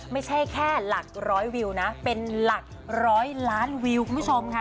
ไม่ใช่แค่หลักร้อยวิวนะเป็นหลักร้อยล้านวิวคุณผู้ชมค่ะ